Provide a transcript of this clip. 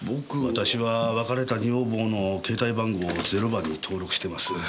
私は別れた女房の携帯番号を０番に登録してます。